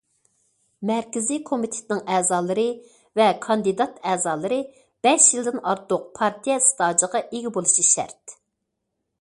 مەركىزىي كومىتېتنىڭ ئەزالىرى ۋە كاندىدات ئەزالىرى بەش يىلدىن ئارتۇق پارتىيە ئىستاژىغا ئىگە بولۇشى شەرت.